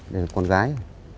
đây là con gái